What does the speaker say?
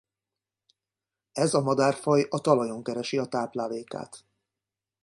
Ez a madárfaj a talajon keresi a táplálékát.